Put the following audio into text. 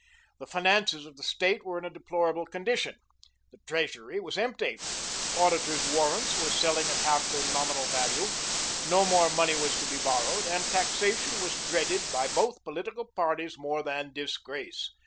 The finances of the State were in a deplorable condition: the treasury was empty; auditor's warrants were selling at half their nominal value; no more money was to be borrowed, and taxation was dreaded by both political parties more than disgrace.